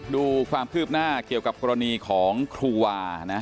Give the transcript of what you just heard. ดูความคืบหน้าเกี่ยวกับกรณีของครูวานะ